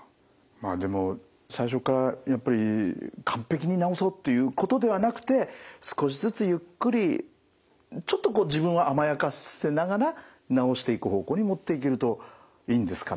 でも最初っからやっぱり完璧に治そうっていうことではなくて少しずつゆっくりちょっと自分を甘やかせながら治していく方向に持っていけるといいんですかね。